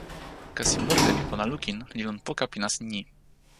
kasi mute pi pona lukin li lon poka pi nasin ni.